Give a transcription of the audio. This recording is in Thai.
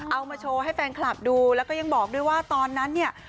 เอามาโชว์ให้แฟนคลับดูแล้วก็ยังบอกด้วยว่าตอนนั้นเนี่ย